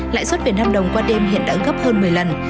lãi suất việt nam đồng qua đêm hiện đã gấp hơn một mươi lần